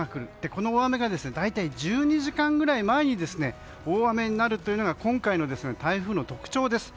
この大雨が大体１２時間ぐらい前に大雨になるというのが今回の台風の特徴です。